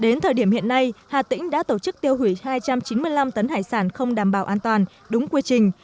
đến thời điểm hiện nay hà tĩnh đã tổ chức tiêu hủy hai trăm chín mươi năm tấn hải sản không đảm bảo an toàn đúng quy trình